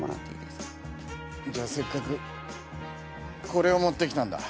じゃあせっかくこれを持ってきたんだ。